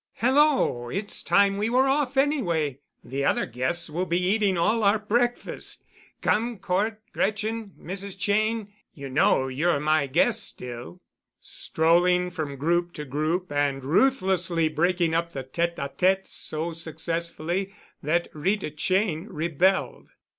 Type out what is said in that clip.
"Hello! It's time we were off anyway. The other guests will be eating all our breakfast. Come, Cort, Gretchen, Mrs. Cheyne—you know you're my guest still," strolling from group to group and ruthlessly breaking up the tête a têtes so successfully that Rita Cheyne rebelled.